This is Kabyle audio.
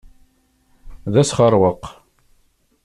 D asxeṛweq.